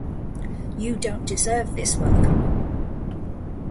You don’t deserve this welcome.